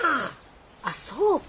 あっそうか。